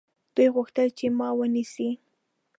دوی غوښتل چې ما ونیسي.